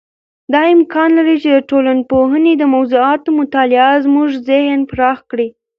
دا امکان لري چې د ټولنپوهنې د موضوعاتو مطالعه زموږ ذهن پراخ کړي.